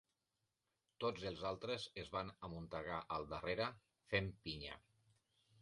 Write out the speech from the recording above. Tots els altres es van amuntegar al darrere, fent pinya.